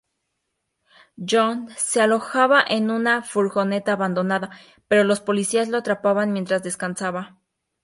John se alojaba en una furgoneta abandonada, pero los policías lo atraparon mientras descansaba.